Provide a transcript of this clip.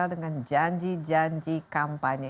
dengan janji janji kampanye